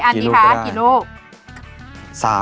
กี่อันดีคะ